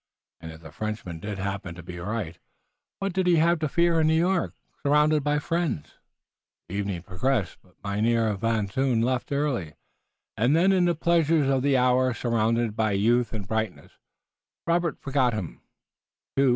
And if the Frenchman did happen to be right, what did he have to fear in New York, surrounded by friends? The evening progressed, but Mynheer Van Zoon left early, and then in the pleasures of the hour, surrounded by youth and brightness, Robert forgot him, too.